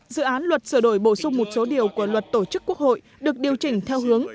dự án luật sửa đổi bổ sung một số điều của luật tổ chức quốc hội được điều chỉnh theo hướng